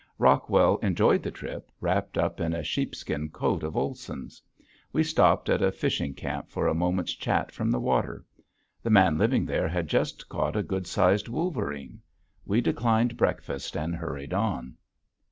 Rockwell enjoyed the trip wrapped up in a sheepskin coat of Olson's. We stopped at a fishing camp for a moment's chat from the water. The man living there had just caught a good sized wolverine. We declined breakfast and hurried on.